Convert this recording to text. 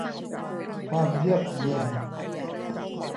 ความเยือกเย็น